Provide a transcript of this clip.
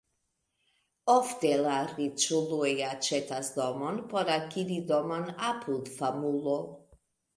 Ofte la riĉuloj aĉetas domon por akiri domon apud famulo.